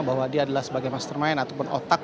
bahwa dia adalah sebagai mastermind ataupun otak